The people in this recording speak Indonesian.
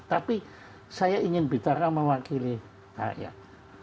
tapi saya ingin bicara mewakili rakyat